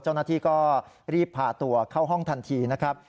เจ้าหน้าที่ก็รีบพาตัวเข้าห้องทันทีนะครับ